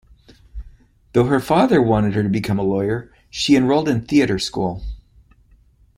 Though her father wanted her to become a lawyer she enrolled in theatre school.